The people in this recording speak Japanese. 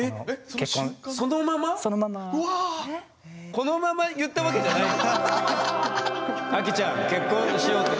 このまま言ったわけじゃないよね？